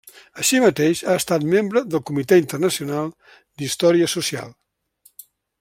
Així mateix, ha estat membre del Comitè Internacional d'Història Social.